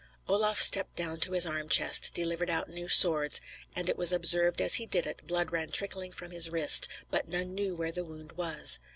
Olaf stept down to his arm chest; delivered out new swords; and it was observed as he did it, blood ran trickling from his wrist; but none knew where the wound was.